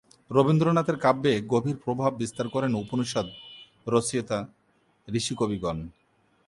রবীন্দ্রনাথের কাব্যে গভীর প্রভাব বিস্তার করেন উপনিষদ রচয়িতা ঋষিকবিগণ।